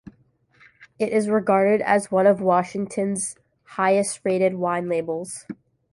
It is regarded as one of Washington's highest rated wine labels.